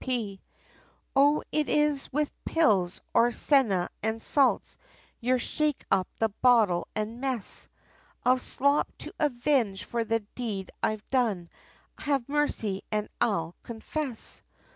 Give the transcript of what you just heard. C.P.? O is it with pills, or senna and salts, your 'shake up the bottle' and mess Of slops, to avenge for the deed I've done? have mercy and I'll confess!